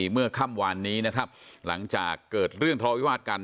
เมื่อค่ำวานนี้นะครับหลังจากเกิดเรื่องทะเลาวิวาสกัน